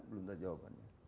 belum tahu jawabannya